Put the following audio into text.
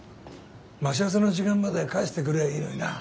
待ち合わせの時間まで書いといてくれりゃいいのにな。